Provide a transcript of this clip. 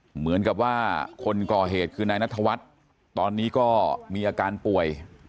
เหมือนกับว่าคนก่อเหตุคือนายนัทวัฒน์ตอนนี้ก็มีอาการป่วย